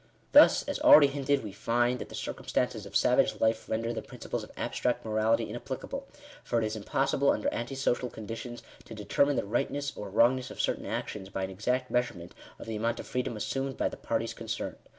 Thus, as already hinted, we find, that the circumstanoes of savage life, render the principles of abstract morality inap plicable ; for it is impossible, under ante social conditions, to determine the lightness or wrongness of certain actions by an exact measurement of the amount of freedom assumed by the parties concerned.